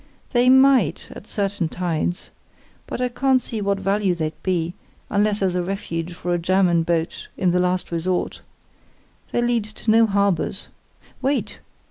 "They might, at certain tides. But I can't see what value they'd be, unless as a refuge for a German boat in the last resort. They lead to no harbours. Wait!